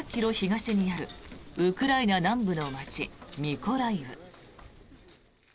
東にあるウクライナ南部の街ミコライウ。